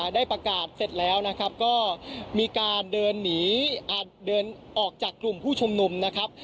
ได้ประกาศเสร็จแล้วนะครับก็มีการเดินหนีเดินออกจากกลุ่มผู้ชุมนุมนะครับ